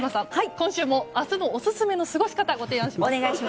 今週も明日のオススメの過ごし方をご提案します。